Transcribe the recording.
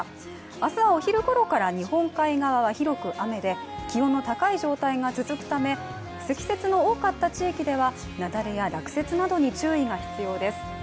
明日はお昼ごろから日本海側は広く雨で気温の高い状態が続くため積雪の多かった地域では雪崩や落雪などに注意が必要です。